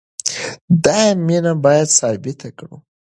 دا مینه باید ثابته کړو.